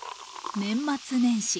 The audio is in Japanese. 年末年始